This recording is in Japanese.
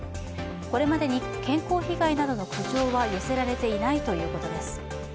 これまでに健康被害などの苦情は寄せられていないということです。